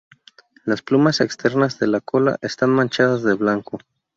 Las plumas externas de la cola están manchadas de blanco.